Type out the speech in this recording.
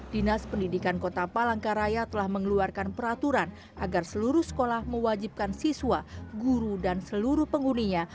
dinas pendidikan kota palangkaraya telah mengeluarkan peraturan agar seluruh sekolah mewajibkan siswa guru dan seluruh penghuninya